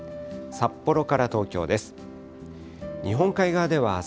札幌から東京です。